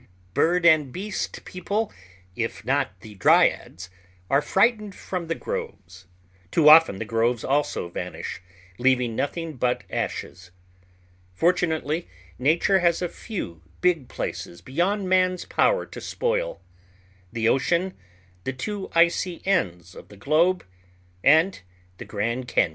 Bird and beast people, if not the dryads, are frightened from the groves. Too often the groves also vanish, leaving nothing but ashes. Fortunately, nature has a few big places beyond man's power to spoil—the ocean, the two icy ends of the globe, and the Grand Cañon.